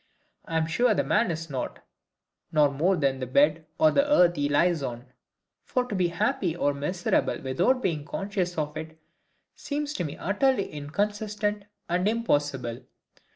I am sure the man is not; no more than the bed or earth he lies on. For to be happy or miserable without being conscious of it, seems to me utterly inconsistent and impossible.